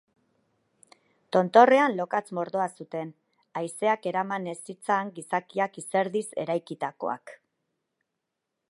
Tontorrean lokatz-mordoa zuten, haizeak eraman ez zitzan gizakiak izerdiz eraikitakoak.